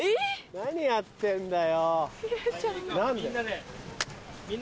何やってんだよ！